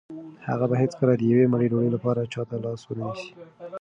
هغه به هیڅکله د یوې مړۍ ډوډۍ لپاره چا ته لاس ونه نیسي.